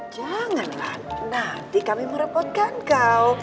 janganlah nanti kami merepotkan kau